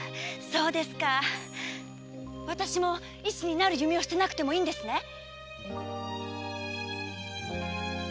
そうですか私も医師になる夢を捨てなくてもいいんですね。